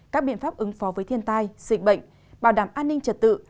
các biện pháp ứng phó với thiên tai dịch bệnh bảo đảm an ninh trật tự